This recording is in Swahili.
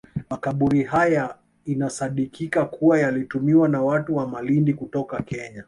Makaburi haya inasadikika kuwa yalitumiwa na watu wa Malindi kutoka Kenya